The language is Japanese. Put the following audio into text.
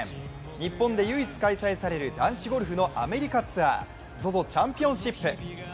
日本で唯一開催される男子ゴルフのアメリカツアー、ＺＯＺＯチャンピオンシップ。